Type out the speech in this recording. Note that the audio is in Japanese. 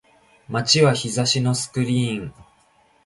街は日差しのスクリーン